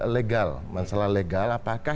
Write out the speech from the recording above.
legal masalah legal apakah